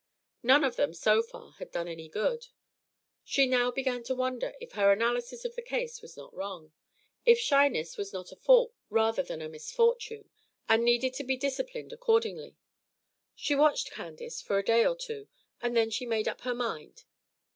None of them so far had done any good. She now began to wonder if her analysis of the case was not wrong; if shyness was not a fault rather than a misfortune, and needed to be disciplined accordingly. She watched Candace for a day or two, and then she made up her mind.